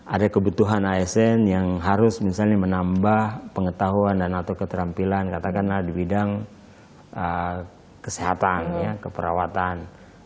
ada kebutuhan asn yang harus misalnya menambah pengetahuan dan atau keterampilan katakanlah di bidang kesehatan ya keperawatan